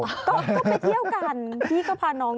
ก็ไปเที่ยวกันพี่ก็พาน้อง